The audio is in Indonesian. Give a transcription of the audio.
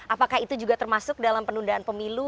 apakah itu juga termasuk dalam penundaan pemilu